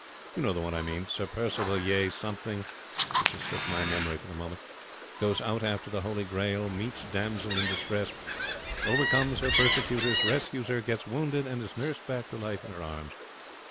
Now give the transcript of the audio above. You know the one I mean. Sir Percival Ye Something (which has slipped my memory for the moment) goes out after the Holy Grail; meets damsel in distress; overcomes her persecutors; rescues her; gets wounded, and is nursed back to life in her arms.